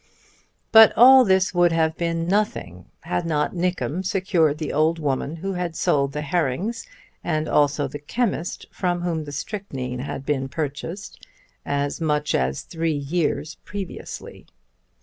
But all this would have been nothing had not Nickem secured the old woman who had sold the herrings, and also the chemist, from whom the strychnine had been purchased as much as three years previously.